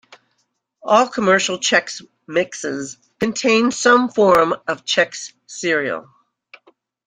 All commercial Chex mixes contain some form of Chex cereal.